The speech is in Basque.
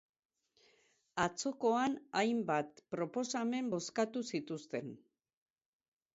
Atzokoan, hainbat proposamen bozkatu zituzten.